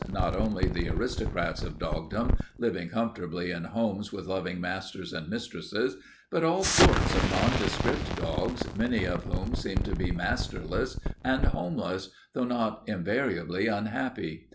Not only the aristocrats of dogdom, living comfortably in homes with loving masters and mistresses, but all sorts of nondescript dogs, many of whom seemed to be masterless and homeless, though not invariably unhappy.